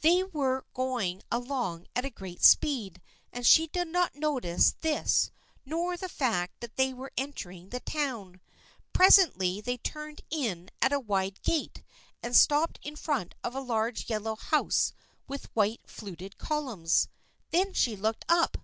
They were going along at great speed, but she did not notice this nor the fact that they were entering the town. Presently they turned in at a wide gate and stopped in front of a large yellow house with white fluted columns. Then she looked up.